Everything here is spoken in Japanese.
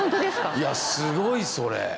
いやすごいそれ。